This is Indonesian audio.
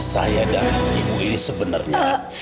saya dan ibu ini sebenarnya